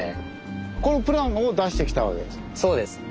このプランを出してきたわけですか。